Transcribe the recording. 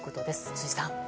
辻さん。